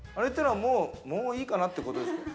もういいかなってことですか？